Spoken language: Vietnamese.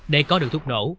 để có được thuốc nổ